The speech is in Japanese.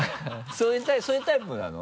そういうタイプなの？